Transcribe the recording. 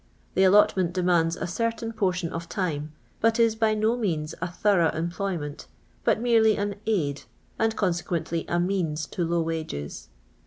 The allotment demands a certain portion of time, but is by no means a thorough emplojnnent, but merely an "aid," and conse quently a vieaM, to low wages.